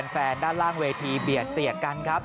ด้านล่างเวทีเบียดเสียดกันครับ